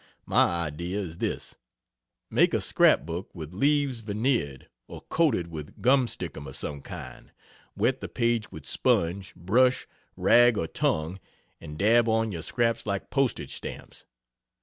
My idea is this: Make a scrap book with leaves veneered or coated with gum stickum of some kind; wet the page with sponge, brush, rag or tongue, and dab on your scraps like postage stamps.